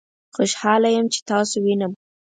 خوشحاله یم چې تاسو وینم